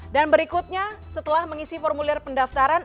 dan berikutnya setelah mengisi formulir pendaftaran